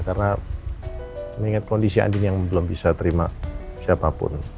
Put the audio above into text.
mengingat kondisi adem yang belum bisa terima siapapun